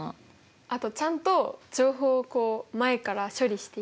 あとちゃんと情報をこう前から処理していくこと。